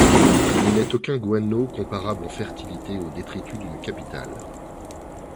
Il n’est aucun guano comparable en fertilité au détritus d’une capitale.